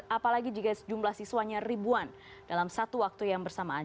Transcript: apalagi jika jumlah siswanya ribuan dalam satu waktu yang bersamaan